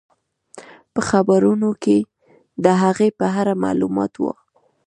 په خبرونو کې د هغې په اړه معلومات وو.